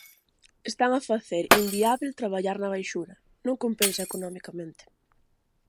Están a facer inviábel traballar na baixura, non compensa economicamente.